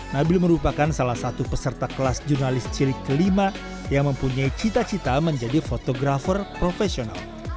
nabil merupakan salah satu peserta kelas jurnalis cilik kelima yang mempunyai cita cita menjadi fotografer profesional